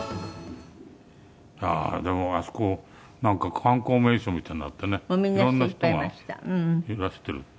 いやあでもあそこなんか観光名所みたいになってね色んな人がいらしてるって。